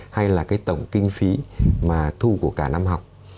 hay là cái tổng kinh phí mà thu của cả năm học